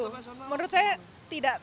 menurut saya tidak